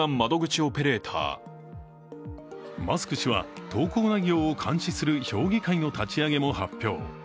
マスク氏は投稿内容を監視する評議会の立ち上げも発表。